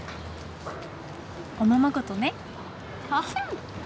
おままごとね。